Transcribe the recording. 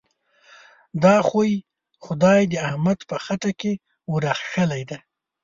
دا خوی؛ خدای د احمد په خټه کې ور اخښلی دی.